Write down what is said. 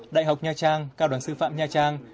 đại học nha trang cao đoàn sư phạm nha trang